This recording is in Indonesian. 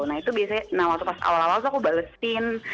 nah itu biasanya nah waktu pas awal awal tuh aku balesin